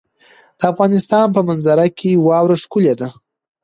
د افغانستان په منظره کې واوره ښکاره ده.